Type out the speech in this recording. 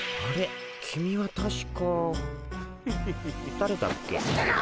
だれだっけ？